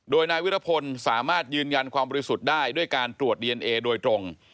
โดยนายวิรพลสามารถยืนยันความบริสุทธิ์ได้ด้วยการตรวจดีเอนเอโดยตรง